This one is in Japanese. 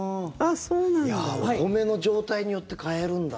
お米の状態によって変えるんだ。